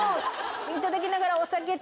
いただきながらお酒って。